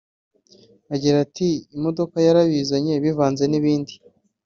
Agira ati “Imodoka yarabizanye bivanze n’ibindi